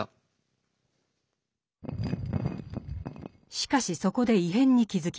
しかしそこで異変に気付きます。